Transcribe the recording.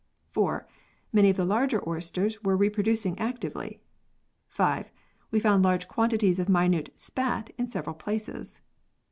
4. Many of the larger oysters were reproducing actively. 5. We found large quantities of minute "spat" in several places.